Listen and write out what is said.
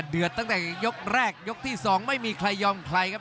เดือดตั้งแต่ยกแรกยกที่๒ไม่มีใครยอมใครครับ